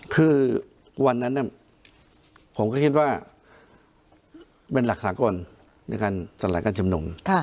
คือวันนั้นผมก็คิดว่าเป็นหลักสากลในการสลายการชุมนุม